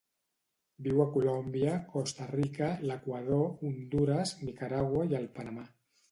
Viu a Colòmbia, Costa Rica, l'Equador, Hondures, Nicaragua i el Panamà.